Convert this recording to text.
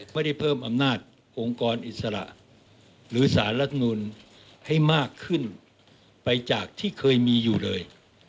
ไม่ได้เพิ่มอำนาจองค์กรอิสระหรือสารรัฐมนุนให้มากขึ้นไปจากที่เคยมีอยู่เลย